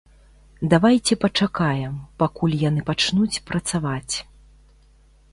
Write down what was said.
Давайце пачакаем, пакуль яны пачнуць працаваць.